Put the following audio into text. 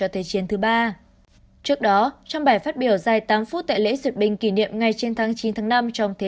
trước đó trong bài phát biểu dài tám phút tại lễ duyệt binh kỷ niệm ngay trên tháng chín năm trong thế